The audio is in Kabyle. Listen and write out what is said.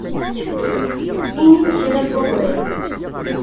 Ini-d kra n wawal!